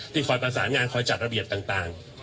ที่คอยพังสารงานคอยจัดระเบียนต่าง